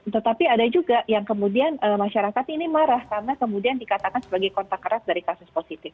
tetapi ada juga yang kemudian masyarakat ini marah karena kemudian dikatakan sebagai kontak erat dari kasus positif